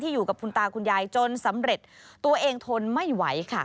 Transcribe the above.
อยู่กับคุณตาคุณยายจนสำเร็จตัวเองทนไม่ไหวค่ะ